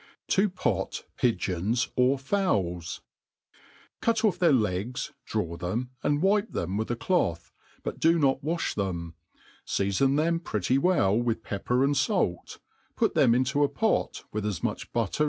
To pot Pigeons or Foxols^ CUT off their legs, draw them and wipe them with ft efodi, but do not wa(h them^ Seafon them pretty well with yepper and fait, put them into a pot, with as much butter.